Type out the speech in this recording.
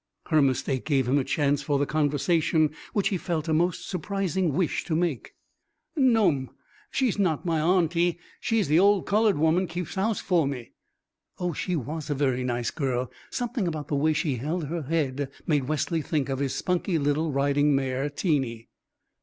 Her mistake gave him a chance for the conversation which he felt a most surprising wish to make. "No'm, she's not my auntie. She's the old coloured woman keeps house for me." Oh, she was a very nice girl; something about the way she held her head made Wesley think of his spunky little riding mare, Teeny.